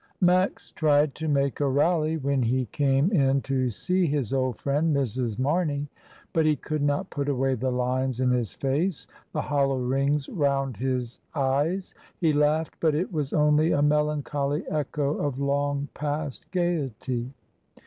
Max tried to make a rally when he came in to see his old friend Mrs. Marney. But he could not put away the lines in his face, the hollow rings round his eyes; he laughed, but it was only a melancholy echo of long past gaiety.